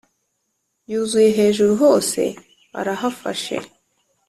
yuzuye hejuru hose arahafashe